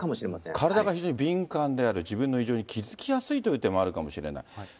体が非常に敏感である、自分の異常に気付きやすいという点もあるかもしれない。